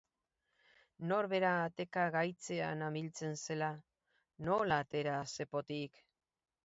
Norbera ateka gaitzean amiltzen zela, nola atera zepotik?